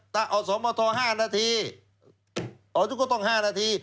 ถ้าออสมทร๕นาทีออสมทรก็ต้อง๕นาที